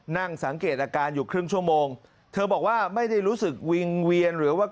นั่งสังเกตอาการอยู่ครึ่งชั่วโมงเธอบอกว่าไม่ได้รู้สึกวิงเวียนหรือว่า